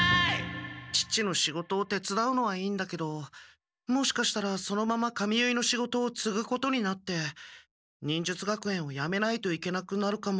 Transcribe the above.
父の仕事をてつだうのはいいんだけどもしかしたらそのまま髪結いの仕事をつぐことになって忍術学園をやめないといけなくなるかも。